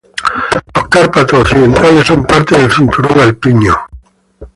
Los Cárpatos occidentales son parte del cinturón alpino.